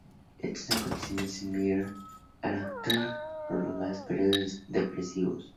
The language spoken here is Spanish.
Estos acontecimientos sumieron al actor en prolongados periodos depresivos.